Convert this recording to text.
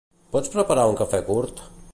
Pots preparar un cafè curt?